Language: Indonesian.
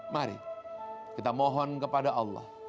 mari kita mohon kepada allah